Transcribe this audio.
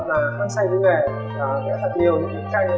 văn say với nghề vẽ thật nhiều